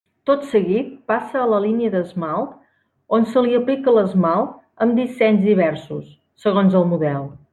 Tot seguit passa a la línia d'esmalt on se li aplica l'esmalt amb dissenys diversos, segons el model.